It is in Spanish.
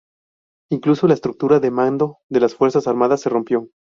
Incluso la estructura de mando de las fuerzas armadas se rompió.